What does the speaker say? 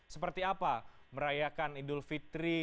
seperti apa merayakan idul fitri